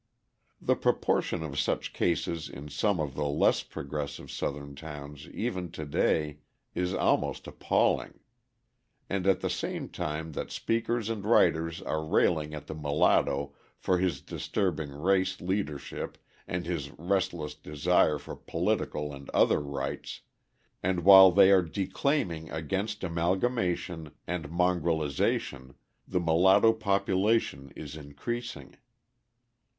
The proportion of such cases in some of the less progressive Southern towns even to day, is almost appalling: and at the same time that speakers and writers are railing at the mulatto for his disturbing race leadership and his restless desire for political and other rights, and while they are declaiming against amalgamation and mongrelisation, the mulatto population is increasing.